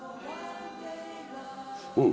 うん！